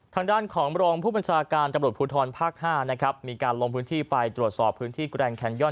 ทางด้านของรองผู้บัญชาการตำรวจภูทรภาค๕นะครับมีการลงพื้นที่ไปตรวจสอบพื้นที่แกรงแคนย่อน